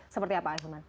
seperti apa hilman